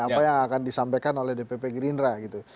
apa yang akan disampaikan oleh dpp gerindra gitu